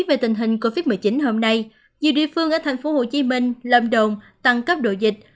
về tình hình covid một mươi chín hôm nay nhiều địa phương ở tp hcm lâm đồng tăng cấp độ dịch